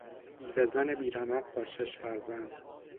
بیوهزن بیرمق با شش فرزند